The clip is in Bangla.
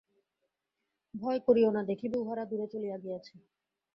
ভয় করিও না, দেখিবে উহারা দূরে চলিয়া গিয়াছে।